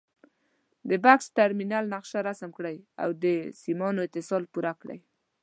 د بکس ټرمینل نقشه رسم کړئ او د سیمانو اتصال پوره کړئ.